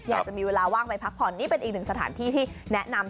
อยากจะมีเวลาว่างไปพักผ่อนนี่เป็นอีกหนึ่งสถานที่ที่แนะนำ